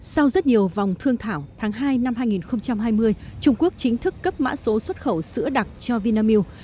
sau rất nhiều vòng thương thảo tháng hai năm hai nghìn hai mươi trung quốc chính thức cấp mã số xuất khẩu sữa đặc cho vinamilk